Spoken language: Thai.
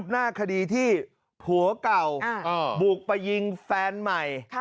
หน้าคดีที่ผัวเก่าบุกไปยิงแฟนใหม่